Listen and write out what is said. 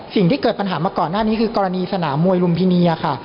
สิ่งที่เกิดปัญหามาก่อนหน้านี้คือกรณีสถานการณ์มวยป้ายหน่วงพินี